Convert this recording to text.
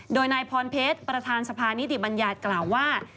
โดยนายพรเพชรประธานสภานิติบัญญัติกล่าวว่า